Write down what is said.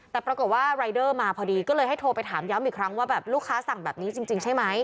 แต่ปรากฏว่ารายเดอร์มาพอดีก็เลยให้โทรไปถามย้ำอีกครั้งว่าแบบลูกค้าสั่งแบบนี้จริงใช่ไหม